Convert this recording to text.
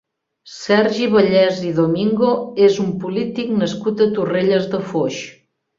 Sergi Vallès i Domingo és un polític nascut a Torrelles de Foix.